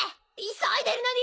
急いでるのに！